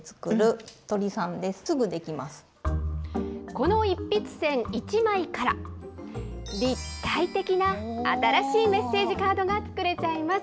この一筆箋１枚から、立体的な新しいメッセージカードが作れちゃいます。